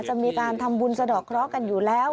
จะมีการทำบุญสะดอกเคราะห์กันอยู่แล้ว